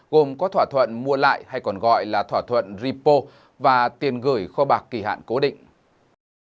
gồm có thỏa thuận mua lại hay còn gọi là thỏa thuận repo và tiền gửi kho bạc kỳ hạn cố định